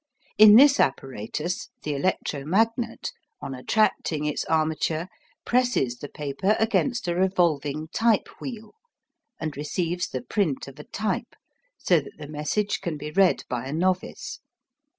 In this apparatus the electromagnet, on attracting its armature, presses the paper against a revolving type wheel and receives the print of a type, so that the message can be read by a novice.